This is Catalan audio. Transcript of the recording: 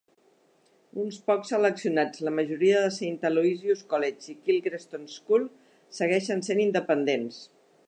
Uns pocs seleccionats, la majoria de Saint Aloysius' College i Kilgraston School, segueixen sent independents.